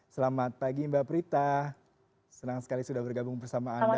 selamat pagi mbak prita senang sekali sudah bergabung bersama anda